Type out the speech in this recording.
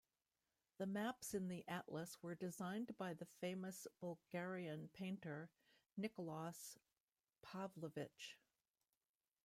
The maps in the atlas were designed by the famous Bulgarian painter Nicolaus Pavlovich.